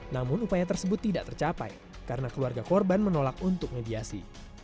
namun upaya tersebut tidak tercapai karena keluarga korban menolak untuk mediasi